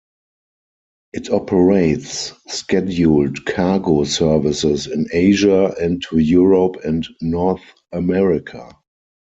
It operates scheduled cargo services in Asia and to Europe and North America.